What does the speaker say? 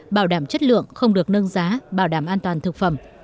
bảo đảm chất lượng không được nâng giá bảo đảm an toàn thực phẩm